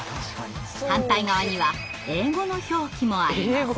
反対側には英語の表記もあります。